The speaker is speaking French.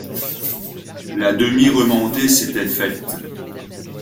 La demi-remontée s’était faite.